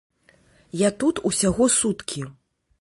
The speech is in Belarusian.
Я тут усяго суткі.